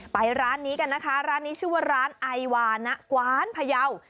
ไปร้านนี้กันนะคะร้านนี้ชื่อว่าร้านไอวานะกวานพยาว